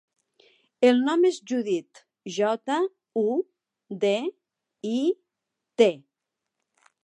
El nom és Judit: jota, u, de, i, te.